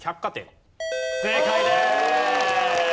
正解です！